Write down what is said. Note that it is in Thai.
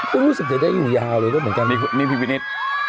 ก็รู้สึกจะได้อยู่ยาวเลยด้วยเหมือนกันนี่พี่วินิต